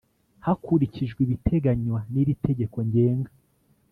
hakurikijwe ibiteganywa n iri tegeko ngenga